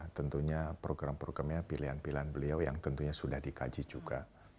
tentunya program programnya pilihan pilihan beliau yang tentunya sudah dikaji juga